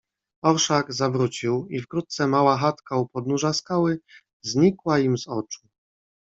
"Orszak zawrócił i wkrótce mała chatka u podnóża skały znikła im z oczu."